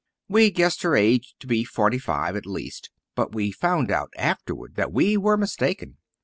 We guessed her age to be forty five at least, but we found out afterward that we were mistaken.